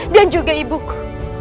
dan juga ibuku